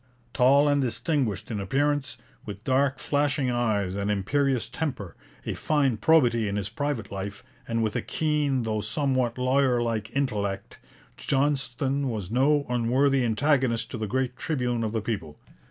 Tall and distinguished in appearance, with dark flashing eyes and imperious temper, of fine probity in his private life, and with a keen, though somewhat lawyer like, intellect, Johnston was no unworthy antagonist to the great tribune of the people.